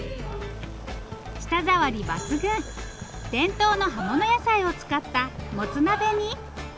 舌触り抜群伝統の葉もの野菜を使ったもつ鍋に。